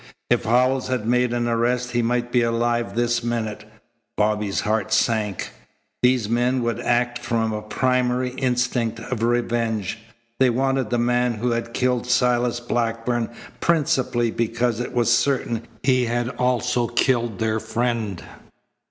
If Howells had made an arrest he might be alive this minute." Bobby's heart sank. These men would act from a primary instinct of revenge. They wanted the man who had killed Silas Blackburn principally because it was certain he had also killed their friend.